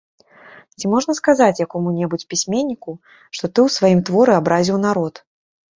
Ці можна сказаць якому-небудзь пісьменніку, што ты ў сваім творы абразіў народ?